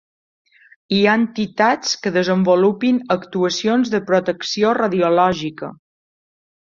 Hi ha entitats que desenvolupin actuacions de protecció radiològica.